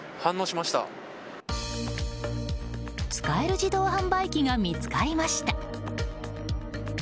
使える自動販売機が見つかりました。